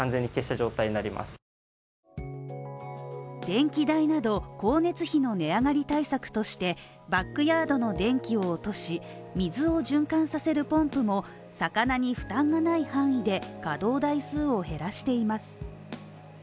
電気代など光熱費の値上がり対策としてバックヤードの電気を落とし、水を循環させるポンプも魚に負担がない範囲で稼働台数を減らしています。